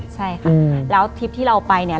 ใช่ค่ะแล้วทริปที่เราไปเนี่ย